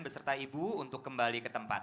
beserta ibu untuk kembali ke tempat